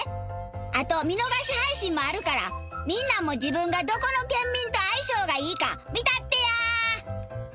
あと見逃し配信もあるからみんなも自分がどこの県民と相性がいいか見たってや！